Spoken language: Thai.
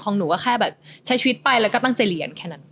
หนูก็แค่แบบใช้ชีวิตไปแล้วก็ตั้งใจเรียนแค่นั้น